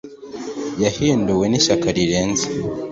Yahinduwe nishyaka rirenze